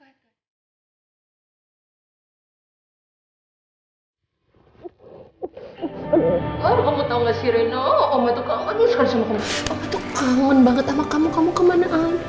oma tuh kangen banget sama kamu kamu kemana an